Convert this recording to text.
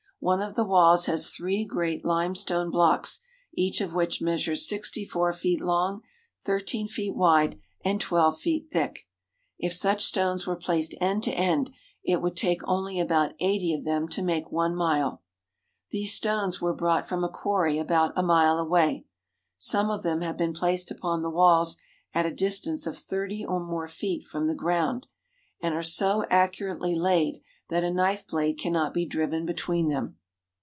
One of the walls has three great limestone blocks each of which measures sixty four feet long, thirteen feet wide, and twelve feet thick. If such stones were placed end to end it would take only about eighty of them to make one mile. These stones were brought from a quarry about a mile away. Some of them have been placed upon the walls at a distance of thirty or more feet from the ground, and are so accurately laid that a knife blade cannot be driven between them.